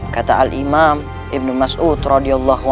kata al imam ibn mas'ud